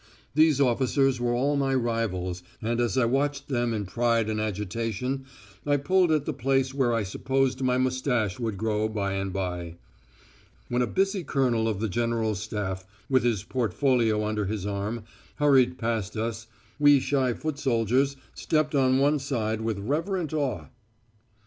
These officers were all my rivals, and as I watched them in pride and agitation I pulled at the place where I supposed my moustache would grow by and by. When a busy colonel of the General Staff, with his portfolio under his arm, hurried past us, we shy foot soldiers stepped on one side with reverent awe.